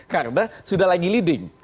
karena sudah lagi leading